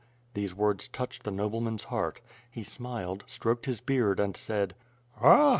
These words touched the nobleman's heart. He smiled, stroked his beard and said: "Ah!